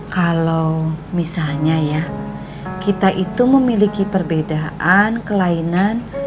kalau misalnya ya kita itu memiliki perbedaan kelainan